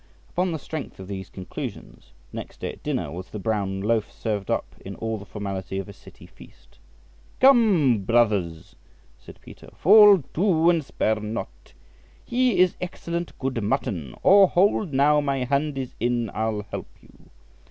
Upon the strength of these conclusions, next day at dinner was the brown loaf served up in all the formality of a City feast. "Come, brothers," said Peter, "fall to, and spare not; here is excellent good mutton ; or hold, now my hand is in, I'll help you."